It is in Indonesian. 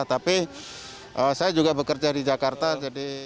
tapi saya juga bekerja di jakarta jadi